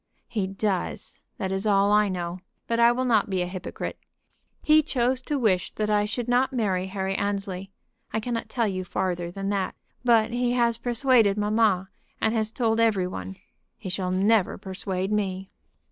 "He does; that is all I know. But I will not be a hypocrite. He chose to wish that I should not marry Harry Annesley. I cannot tell you farther than that. But he has persuaded mamma, and has told every one. He shall never persuade me."